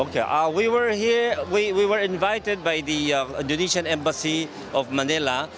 kita di sini kita dijemput oleh menteri pemerintah indonesia dan juga dari bank bri